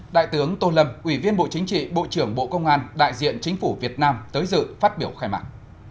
đại tướng tô lâm ủy viên bộ chính trị bộ trưởng bộ công an đại diện chính phủ việt nam tới dự phát biểu khai mạc